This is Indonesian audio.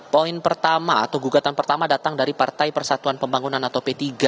poin pertama atau gugatan pertama datang dari partai persatuan pembangunan atau p tiga